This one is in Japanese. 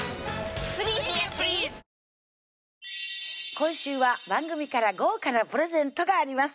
今週は番組から豪華なプレゼントがあります